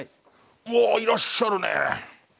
うわいらっしゃるね。